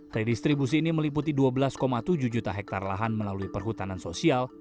redistribusi ini meliputi dua belas tujuh juta hektare lahan melalui perhutanan sosial